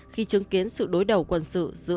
khi chứng kiến sự đối đầu quân sự giữa